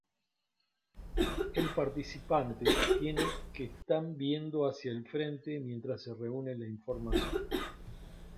El participante tiene que están viendo hacia el frente mientras se reúne la información.